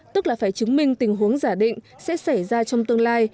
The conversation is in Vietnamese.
tức là phải chứng minh tình huống giả định sẽ xảy ra trong tương lai